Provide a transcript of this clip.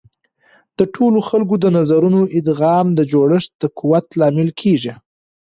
د ټولو خلکو د نظرونو ادغام د جوړښت د قوت لامل کیږي.